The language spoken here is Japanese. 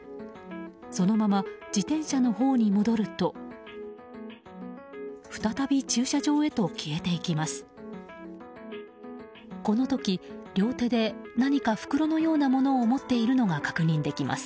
そのまま自転車のほうに戻ると再び駐車場へと消えていきます。